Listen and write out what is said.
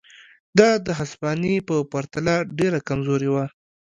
دا د هسپانیې په پرتله ډېره کمزورې وه.